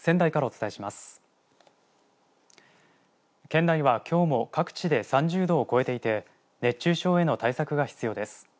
県内は、きょうも各地で３０度を超えていて熱中症への対策が必要です。